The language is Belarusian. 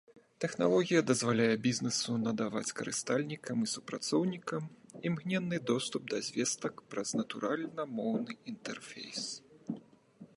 Тэхналогія дазваляе бізнэсу надаваць карыстальнікам і супрацоўнікам імгненны доступ да звестак праз натуральна-моўны інтэрфейс.